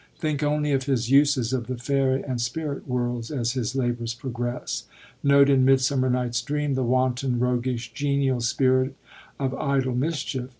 Think only of his uses of the fairy and spirit worlds as his labors progress. Note in Midsuminer NigJif 8 Dream the wanton, roguish, genial spirit of idle mischief.